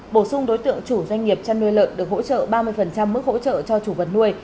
bổ sung đối tượng chủ doanh nghiệp chăn nuôi lợn được hỗ trợ ba mươi mức hỗ trợ cho chủ vật nuôi